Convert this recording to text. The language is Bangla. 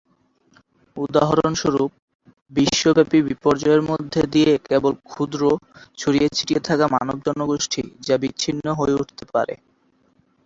উদাহরণস্বরূপ, বিশ্বব্যাপী বিপর্যয়ের মধ্য দিয়ে কেবল ক্ষুদ্র, ছড়িয়ে ছিটিয়ে থাকা মানব জনগোষ্ঠী যা বিচ্ছিন্ন হয়ে উঠতে পারে।